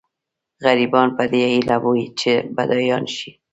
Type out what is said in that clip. غریبان په دې هیله وي چې بډایان شي.